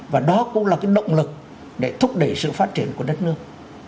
và đó cũng là cái động lực để thúc đẩy sự phát triển của đất nước